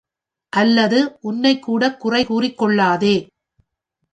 அல்லது உன்னைக் கூடக் குறைகூறிக் கொள்ளாதே.